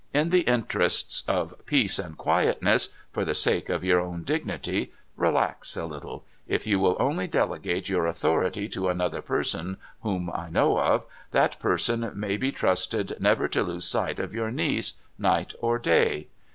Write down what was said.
In the interests of peace and quietness — for the sake of your own dignity — relax a little. If you will only delegate your authority to another person whom I know of, that person may be trusted never to lose sight of your niece, night or day